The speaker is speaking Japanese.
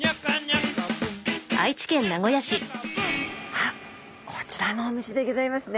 あっこちらのお店でギョざいますね。